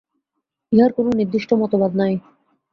ইহার কোন নির্দিষ্ট মতবাদ নাই।